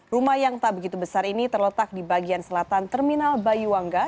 rumah yang tak begitu besar ini terletak di bagian selatan terminal bayuwangga